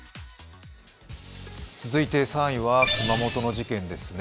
続いて３位は熊本の事件ですね。